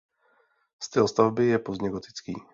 Styl stavby je pozdně gotický.